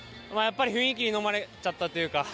雰囲気にのまれちゃったというか。